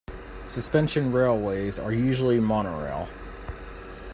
Suspension railways are usually monorail.